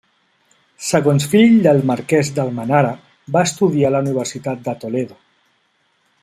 Segon fill del marquès d'Almenara, va estudiar a la universitat de Toledo.